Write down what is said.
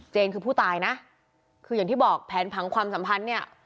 คือผู้ตายนะคืออย่างที่บอกแผนผังความสัมพันธ์เนี่ย